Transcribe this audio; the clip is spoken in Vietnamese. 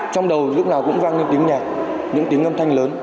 trong đầu lúc nào cũng vang lên tiếng nhạc những tiếng âm thanh lớn